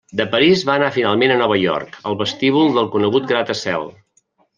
De París va anar finalment a Nova York al vestíbul del conegut gratacel.